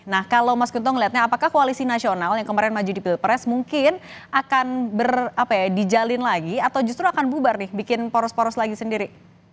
nah kalau mas guntung melihatnya apakah koalisi nasional yang kemarin maju di pilpres mungkin akan dijalin lagi atau justru akan bubar nih bikin poros poros lagi sendiri